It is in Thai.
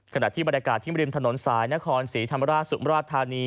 ขณะที่บรรยากาศที่ริมถนนสายนครศรีธรรมราชสุมราชธานี